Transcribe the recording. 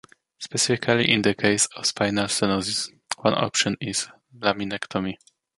Specifically in the case of spinal stenosis, one option is laminectomy.